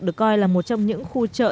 được coi là một trong những khu chợ